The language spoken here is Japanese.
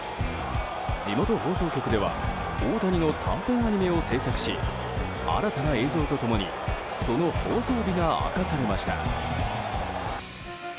地元放送局では大谷の短編アニメを制作し新たな映像と共にその放送日が明かされました。